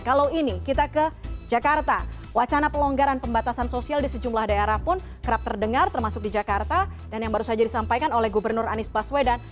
kalau ini kita ke jakarta wacana pelonggaran pembatasan sosial di sejumlah daerah pun kerap terdengar termasuk di jakarta dan yang baru saja disampaikan oleh gubernur anies baswedan